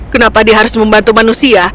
kenapa dia harus membantu manusia